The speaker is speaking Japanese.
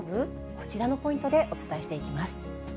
こちらのポイントでお伝えしていきます。